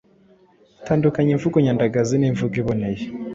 Tandukanya imvugo nyandagazi n’imvugo iboneye,